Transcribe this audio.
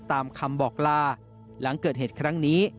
ตามคำบอกลาหลังเกิดเหตุครั้งนี้